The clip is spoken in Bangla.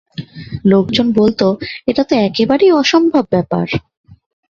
লোকজন বলতো, এটা তো একেবারেই অসম্ভব ব্যাপার।